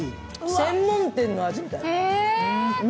専門店の味みたい。